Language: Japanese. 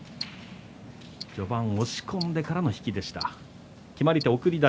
序盤に押し込んでからの引きでした。